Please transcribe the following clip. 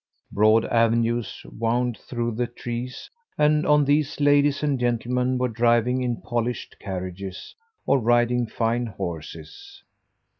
Broad avenues wound through the trees and on these ladies and gentlemen were driving in polished carriages or riding fine horses.